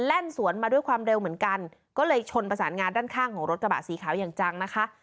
สวนมาด้วยความเร็วเหมือนกันก็เลยชนประสานงานด้านข้างของรถกระบะสีขาวอย่างจังนะคะ